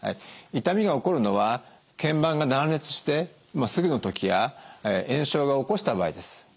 痛みが起こるのは腱板が断裂してすぐの時や炎症が起こした場合です。